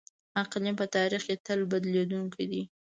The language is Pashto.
اقلیم په تاریخ کې تل بدلیدونکی دی.